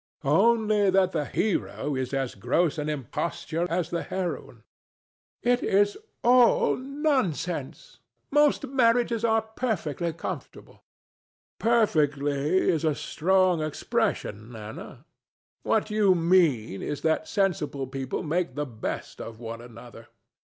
Only that the hero is as gross an imposture as the heroine. ANA. It is all nonsense: most marriages are perfectly comfortable. DON JUAN. "Perfectly" is a strong expression, Ana. What you mean is that sensible people make the best of one another.